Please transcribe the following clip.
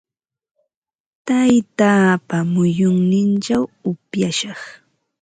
Taytaapa muyunninchaw upyashaq.